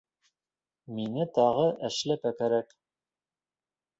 Миңә тағы эшләпә кәрәк